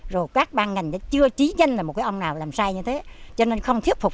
rồi các ban ngành chưa trí danh là một cái ông nào làm sai như thế cho nên không thiết phục